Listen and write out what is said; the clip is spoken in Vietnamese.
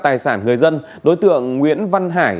tài sản người dân đối tượng nguyễn văn hải